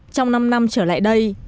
trong năm năm trước